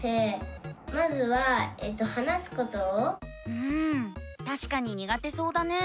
うんたしかににがてそうだね。